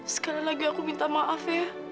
sekali lagi aku minta maaf ya